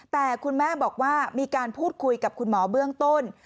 แต่คุณแม่บอกว่ามีการพูดคุยกับคุณหมอเบื้องต้น